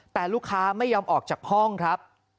แต่ลูกค้าไม่ยอมออกจากห้องครับ